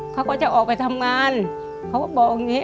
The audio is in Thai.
เขาก็จะออกไปทำงานเขาก็บอกอย่างนี้